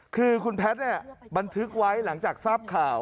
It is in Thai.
คือคุณแพทย์บันทึกไว้หลังจากทราบข่าว